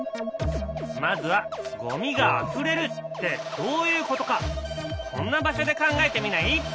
まずは「ゴミがあふれる」ってどういうことかこんな場所で考えてみない？